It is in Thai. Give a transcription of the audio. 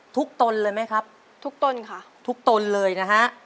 ตนเลยไหมครับทุกต้นค่ะทุกตนเลยนะฮะ